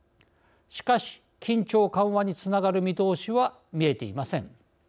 しかし緊張緩和につながる見通しは見えていません。